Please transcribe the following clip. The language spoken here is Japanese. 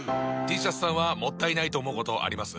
Ｔシャツさんはもったいないと思うことあります？